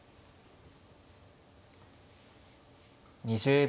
２０秒。